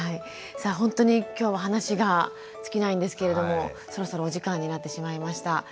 さあ本当に今日は話が尽きないんですけれどもそろそろお時間になってしまいました。